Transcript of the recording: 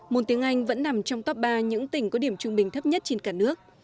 môn tiếng anh vẫn nằm trong top ba những tỉnh có điểm trung bình thấp nhất trên cả nước